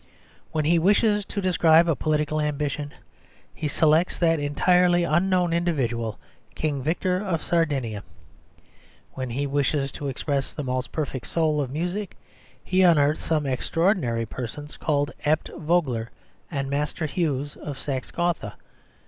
When he wishes to describe a political ambition he selects that entirely unknown individual, King Victor of Sardinia. When he wishes to express the most perfect soul of music, he unearths some extraordinary persons called Abt Vogler and Master Hugues of Saxe Gotha.